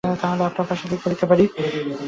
তাহলে আমি আপনার জন্য কী করতে পারি?